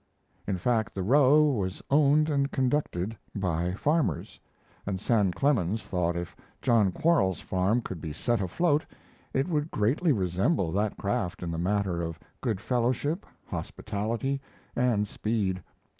In fact, the Roe was owned and conducted by farmers, and Sam Clemens thought if John Quarles's farm could be set afloat it would greatly resemble that craft in the matter of good fellowship, hospitality, and speed.